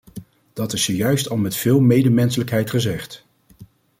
Dat is zojuist al met veel medemenselijkheid gezegd.